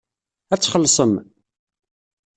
Ad txellṣem?